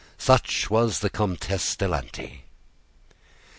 Such was the Comtesse de Lanty.